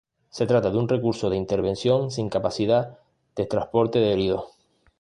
Se trata de un recurso de intervención sin capacidad de transporte de heridos.